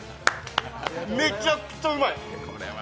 めちゃくちゃうまい。